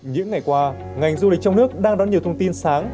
những ngày qua ngành du lịch trong nước đang đón nhiều thông tin sáng